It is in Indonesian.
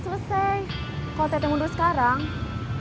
mimpi itu sudah tamat